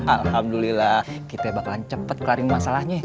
alhamdulillah kita bakalan cepet kelaring masalahnya